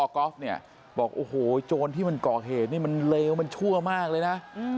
ก๊อฟเนี่ยบอกโอ้โหโจรที่มันก่อเหตุนี่มันเลวมันชั่วมากเลยนะ